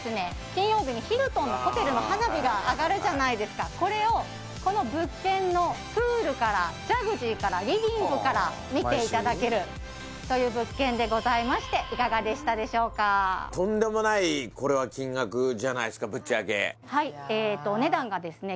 金曜日にヒルトンのホテルの花火が上がるじゃないですかこれをこの物件のプールからジャグジーからリビングから見ていただけるという物件でございましていかがでしたでしょうかぶっちゃけお値段がですね